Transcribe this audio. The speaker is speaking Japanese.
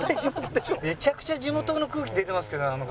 めちゃくちゃ地元の空気出てますけどあの方。